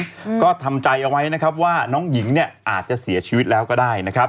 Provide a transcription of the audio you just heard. เพราะต่างอยู่ก็มาเมื่อลูกศาสตร์ก็ทำใจเอาไว้ว่านางหญิงอาจจะเสียชีวิตแล้วก็ได้